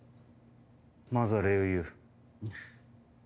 まずは礼を言う。